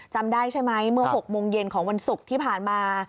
จำได้ใช่ไหมเมื่อ๖โมงเย็นของวันศุกร์ที่ผ่านมา